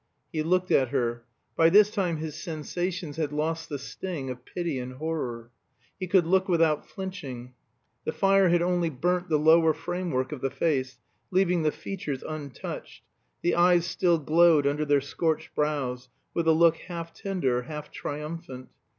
He looked at her. By this time his sensations had lost the sting of pity and horror. He could look without flinching. The fire had only burnt the lower frame work of the face, leaving the features untouched; the eyes still glowed under their scorched brows with a look half tender, half triumphant.